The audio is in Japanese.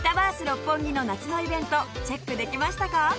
六本木の夏のイベントチェックできましたか？